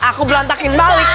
aku berantakin balik